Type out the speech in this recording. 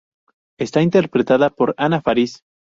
Está interpretada por Anna Faris.